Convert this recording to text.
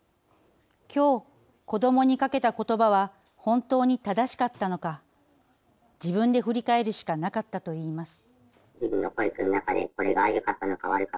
きょう、子どもにかけたことばは本当に正しかったのか、自分で振り返るしかなかったといいます。